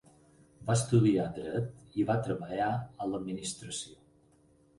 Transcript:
Va estudiar dret i va treballar a l'administració.